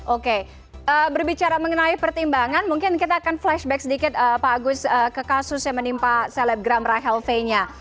oke berbicara mengenai pertimbangan mungkin kita akan flashback sedikit pak agus ke kasus yang menimpa selebgram rahel fenya